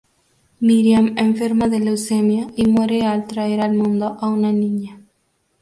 Miriam enferma de leucemia y muere al traer al mundo a una niña.